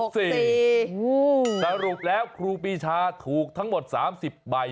สรุปแล้วครูปีชาถูกทั้งหมด๓๐ใบ